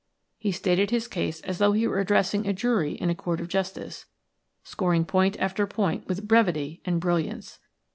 He stated his case as though he were addressing a jury in a court of justice, scoring point after point with brevity and brilliance.